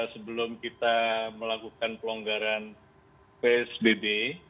sebelum kita melakukan pelonggaran psbb